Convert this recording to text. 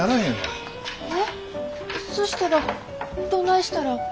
えっそしたらどないしたら。